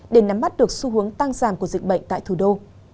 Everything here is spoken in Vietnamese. để nắm mắt được xu hướng tăng giảm của dịch bệnh tại thủ đô